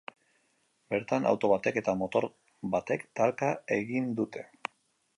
Bertan, auto batek eta motor batek talka egin dute.